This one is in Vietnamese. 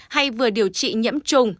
hay vừa điều trị nhiễm trùng